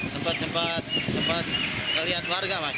tempat tempat terlihat warga mas